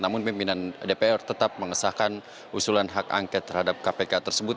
namun pimpinan dpr tetap mengesahkan usulan hak angket terhadap kpk tersebut